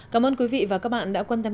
cảm ơn quý vị và các bạn đã quan tâm theo dõi